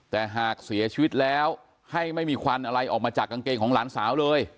แต่หากเสียชีวิตแล้วให้ไม่มีควันอะไรออกมาจากกางเกงของหลานสาวเลย